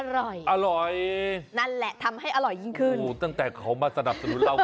อร่อยอร่อยนั่นแหละทำให้อร่อยยิ่งขึ้นโอ้โหตั้งแต่เขามาสนับสนุนเรา